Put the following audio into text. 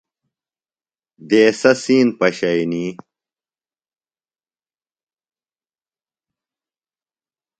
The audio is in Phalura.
دیسہ سِین پشئنی۔